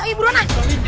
ayo buruan lah